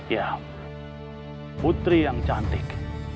ya putri yang cantik